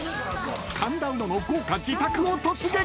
［神田うのの豪華自宅を突撃！］